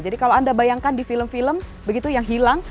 jadi kalau anda bayangkan di film film begitu yang hilang